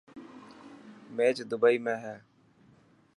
ميچ دبي ۾ هي.